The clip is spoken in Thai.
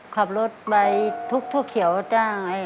ขับรถไปทุกเขียวจ้าง